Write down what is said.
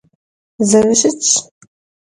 Zerışıtş.